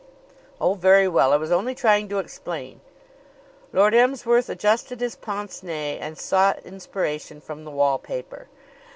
"Oh, very well! I was only trying to explain." Lord Emsworth adjusted his pince nez and sought inspiration from the wall paper.